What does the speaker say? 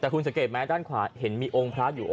แต่คุณสังเกตไหมด้านขวาเห็นมีองค์พระอยู่